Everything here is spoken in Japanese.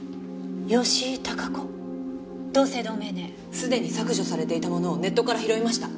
すでに削除されていたものをネットから拾いました。